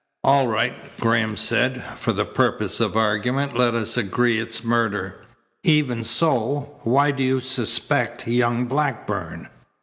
"All right," Graham said. "For the purpose of argument let us agree it's murder. Even so, why do you suspect young Blackburn?"